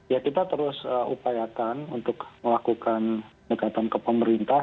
ya kita terus upayakan untuk melakukan dekatan ke pemerintah